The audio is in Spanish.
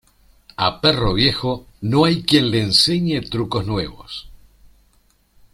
A perro viejo, no hay quien le enseñe trucos nuevos.